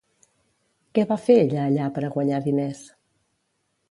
Què va fer ella allà per a guanyar diners?